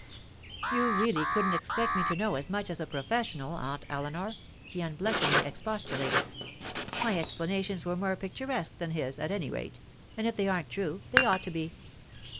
'You really couldn't expect me to know as much as a professional, Aunt Eleanor,' he unblushingly expostulated. My explanations were more picturesque than his, at any rate; and if they aren't true, they ought to be.